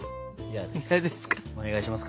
お願いします